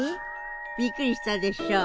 びっくりしたでしょ？